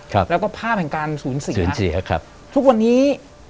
ครับแล้วก็ภาพแห่งการศูนย์เสียครับศูนย์เสียครับทุกวันนี้